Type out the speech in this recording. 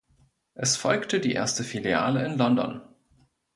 Es folgte die erste Filiale in London.